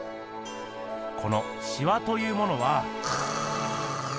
このしわというものは。